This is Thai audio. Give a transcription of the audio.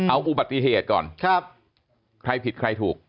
เอาอุบัติเหตุก่อนครับใครผิดใครถูก